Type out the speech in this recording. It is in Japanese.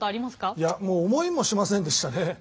いやもう思いもしませんでしたね。